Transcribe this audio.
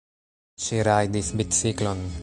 Ŝi rajdis biciklon.